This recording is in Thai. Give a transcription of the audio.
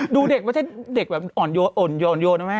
ดูเด็กไม่ใช่เด็กแบบอ่อนโยนนะแม่